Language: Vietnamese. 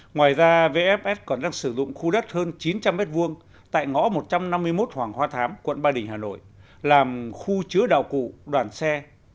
ngoài ra vfs còn đang sử dụng khu đất hơn chín trăm linh m hai tại ngõ một trăm năm mươi một hoàng hoa thám quận ba đình hà nội làm khu chứa đạo cụ đoàn xe